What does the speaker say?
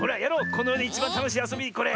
このよでいちばんたのしいあそびこれ。